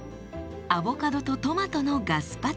アボカドとトマトのガスパチョ。